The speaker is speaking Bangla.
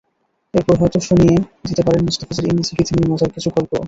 এরপর হয়তো শুনিয়ে দিতে পারেন মুস্তাফিজের ইংরেজিভীতি নিয়ে মজার কিছু গল্পও।